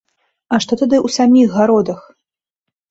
А што тады ў саміх гародах?